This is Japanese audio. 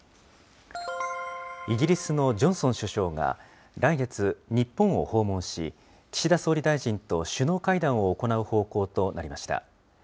イギリスのジョンソン首相が、来月、日本を訪問し、岸田総理大臣と首脳会談を行う方向となりました。